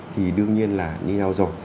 thì đương nhiên là như nào rồi